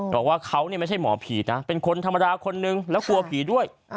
บอกว่าเขาไม่ใช่หมอผีนะเป็นคนธรรมดาคนนึงแล้วกลัวผีด้วย